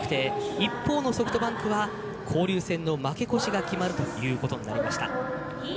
一方ソフトバンクは交流戦の負け越しが決まるということになりました。